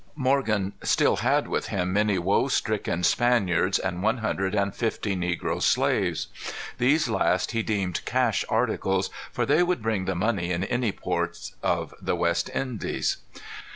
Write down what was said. Morgan still had with him many woe stricken Spaniards, and one hundred and fifty negro slaves. These last he deemed cash articles, for they would bring the money in any of the ports of the West Indies.